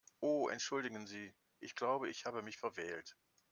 Oh entschuldigen Sie, ich glaube, ich habe mich verwählt.